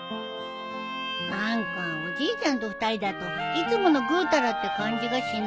何かおじいちゃんと２人だといつものぐうたらって感じがしないね。